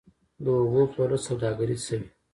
د اوبو پلورل سوداګري شوې؟